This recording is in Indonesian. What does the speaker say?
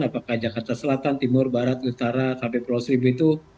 apakah jakarta selatan timur barat utara sampai pulau seribu itu